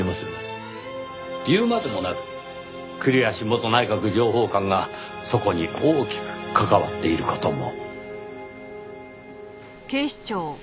言うまでもなく栗橋元内閣情報官がそこに大きく関わっている事も。